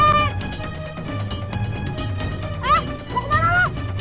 eh mau kemana lo